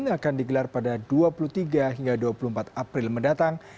akan digelar pada dua puluh tiga hingga dua puluh empat april mendatang